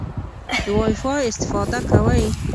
د وای فای استفاده کوئ؟